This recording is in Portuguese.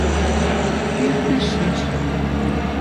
Que pechincha!